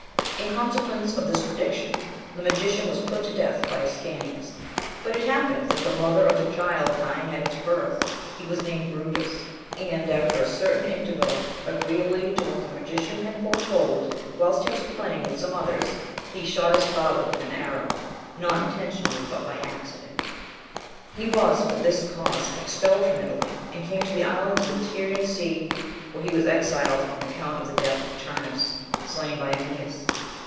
(2) In consequence of this prediction, the magician was put to death by Ascanius; but it happened that the mother of the child dying at its birth, he was named Brutus; ad after a certain interval, agreeably to what the magician had foretold, whilst he was playing with some others he shot his father with an arrow, not intentionally but by accident. (3) He was, for this cause, expelled from Italy, and came to the islands of the Tyrrhene sea, when he was exiled on account of the death of Turnus, slain by Aeneas.